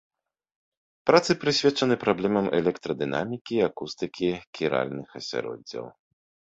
Працы прысвечаны праблемам электрадынамікі і акустыкі кіральных асяроддзяў.